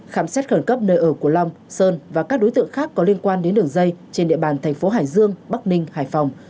khám xét khẩn cấp nơi ở của long sơn và các đối tượng khác có liên quan đến đường dây trên địa bàn thành phố hải dương bắc ninh hải phòng